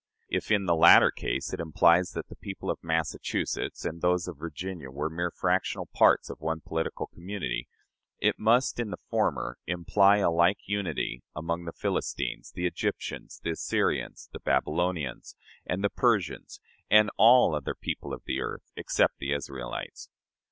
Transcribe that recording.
If in the latter case it implies that the people of Massachusetts and those of Virginia were mere fractional parts of one political community, it must in the former imply a like unity among the Philistines, the Egyptians, the Assyrians, Babylonians, and Persians, and all other "people of the earth," except the Israelites.